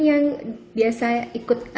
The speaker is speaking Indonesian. yang biasa ikut